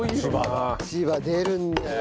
千葉出るんだよ。